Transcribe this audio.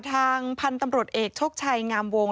ทางพันธุ์ตำรวจเอกโชคชัยงามวง